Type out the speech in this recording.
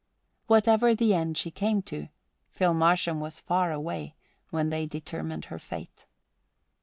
Whatever the end she came to, Phil Marsham was far away when they determined her fate.